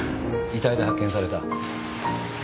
遺体で発見された。